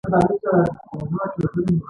ایا زه باید پټ شم؟